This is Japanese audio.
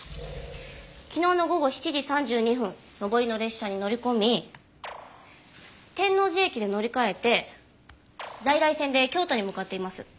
昨日の午後７時３２分上りの列車に乗り込み天王寺駅で乗り換えて在来線で京都に向かっています。